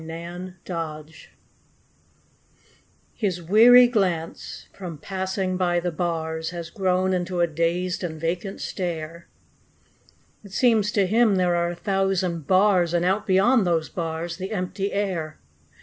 THE PANTHER His weary glance, from passing by the bars, Has grown into a dazed and vacant stare; It seems to him there are a thousand bars And out beyond those bars the empty air.